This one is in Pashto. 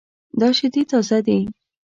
دا شیدې تازه دي